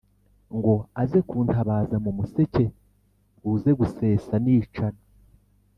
Ngo aze kuntabaza mu museke, buze gusesa nicana.